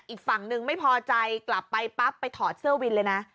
อีกฝั่งนึงไม่พอใจกลับไปปั๊บไปถอดเสื้อวินเลยนะ